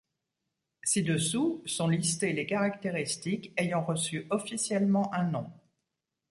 Ci-dessous sont listées les caractéristiques ayant reçu officiellement un nom.